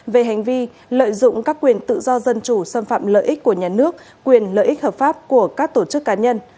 về hành vi lợi dụng các quyền tự do dân chủ xâm phạm lợi ích của nhà nước quyền lợi ích hợp pháp của các tổ chức cá nhân